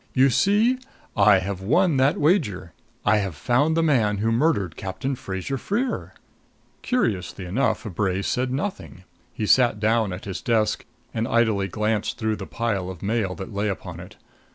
"You see, I have won that wager. I have found the man who murdered Captain Fraser Freer." Curiously enough, Bray said nothing. He sat down at his desk and idly glanced through the pile of mail that lay upon it.